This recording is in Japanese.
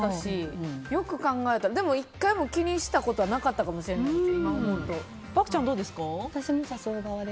でもよく考えたらでも１回も気にしたことはなかったかもしれないです